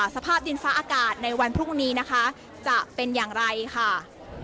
สภาพดินฟ้าอากาศในวันพรุ่งนี้นะคะจะเป็นอย่างไรค่ะ